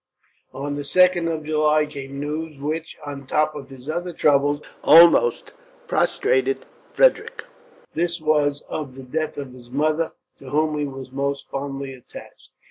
On the 2nd of July came news which, on the top of his other troubles, almost prostrated Frederick. This was of the death of his mother, to whom he was most fondly attached.